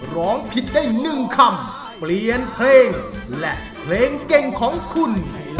ร้องผิดได้๑คำเปลี่ยนเพลงและเพลงเก่งของคุณ